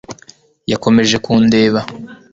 Yakomeje kundeba